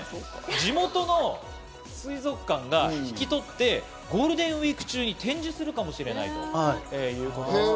地元の水族館が引き取って、ゴールデンウイーク中に展示するかもしれないということです。